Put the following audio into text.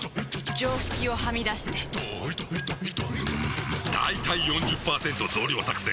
常識をはみ出してんだいたい ４０％ 増量作戦！